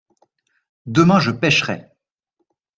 Demain je pêcherai.